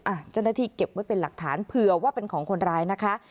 เจ้าหน้าที่เก็บไว้เป็นหลักฐานเผื่อว่าเป็นของคนร้ายนะคะ